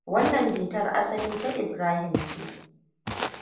Wannan Jitar asali ta Ibrahim ce.